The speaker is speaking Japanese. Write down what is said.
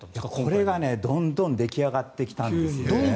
これがどんどん出来上がってきたんですよ。